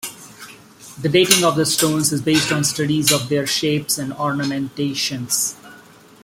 The dating of the stones is based on studies of their shapes and ornamentations.